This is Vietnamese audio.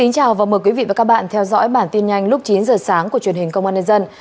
chào mừng quý vị đến với bản tin nhanh lúc chín giờ sáng của truyền hình công an nhân dân